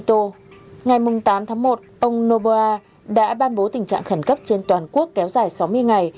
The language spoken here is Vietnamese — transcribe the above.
ông noboa đã ban bố tình trạng khẩn cấp trên toàn quốc kéo dài sáu mươi ngày